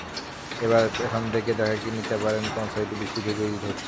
এবার এখান থেকে দেখে নিতে পারেন কোন সাইট বেশি ধীরগতির হচ্ছে।